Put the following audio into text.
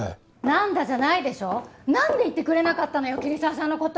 「なんだ？」じゃないでしょ！なんで言ってくれなかったのよ桐沢さんの事！